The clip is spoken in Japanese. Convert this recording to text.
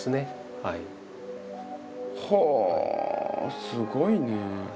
はあすごいね。